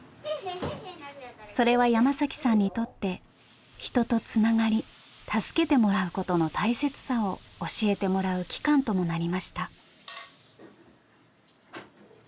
それは山さんにとって人とつながり助けてもらうことの大切さを教えてもらう期間ともなりました。